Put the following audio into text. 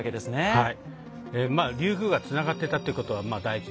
はい。